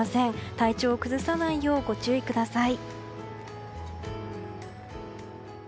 体調を崩さないようご注意ください。